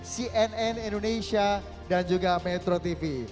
cnn indonesia dan juga metro tv